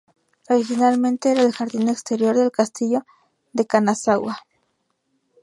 Originalmente era el jardín exterior del Castillo de Kanazawa.